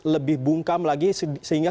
lebih bungkam lagi sehingga